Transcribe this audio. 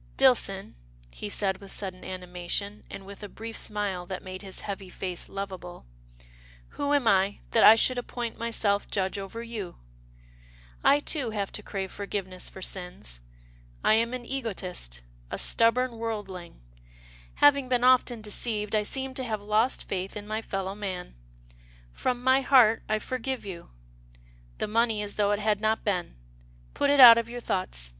" Dillson," he said with sudden animation, and with a brief smile that made his heavy face lovable, " who am I, that I should appoint myself judge over you ? I too have to crave forgiveness for sins. I am an egotist — a stubborn worldling. Having MILD FORGIVENESS 91 been often deceived, I seem to have lost faith in my fellow man. From my heart, I forgive you. The money is though it had not been. Put it out of your thoughts.